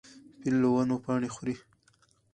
فیل له ونو پاڼې خوري.